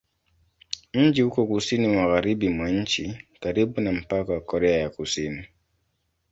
Mji uko kusini-magharibi mwa nchi, karibu na mpaka na Korea ya Kusini.